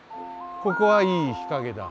ここはいい日陰だ。